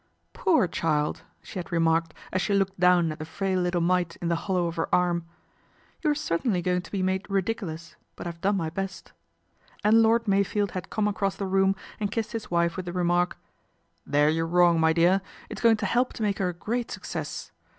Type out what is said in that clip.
" Poor child !" she had remarked as she looked lown at the frail little mite in the hollow of her irm, " you're certainly going to be made ridicu ous ; but I've done my best/' and Lord Meyfield ad come across the room and kissed his wife with tie remark, " There you're wrong, my dear, it's oing to help to make her a great success.